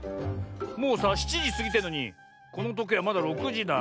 もうさ７じすぎてんのにこのとけいまだ６じだ。